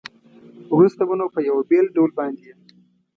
وروسته به نو په یوه بېل ډول باندې یم.